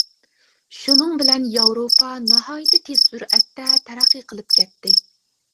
شۇنىڭ بىلەن ياۋروپا ناھايىتى تېز سۈرئەتتە تەرەققىي قىلىپ كەتتى.